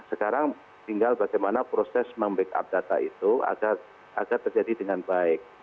sekarang tinggal bagaimana proses membackup data itu agar terjadi dengan baik